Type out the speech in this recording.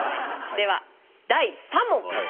では第３問。